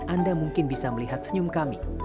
anda mungkin bisa melihat senyum kami